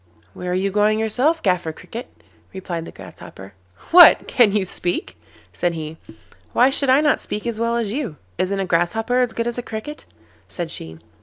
'Where are you going yourself, Gaffer Cricket?' replied the Grasshopper. 'What! can you speak?' said he. 'Why should I not speak as well as you? Isn't a Grasshopper as good as a Cricket?' said she.